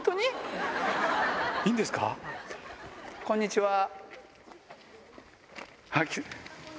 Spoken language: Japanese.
こんにちは。